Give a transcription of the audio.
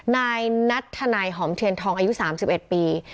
นายนัทธนายหอมเทียนทองอายุ๓๑ปี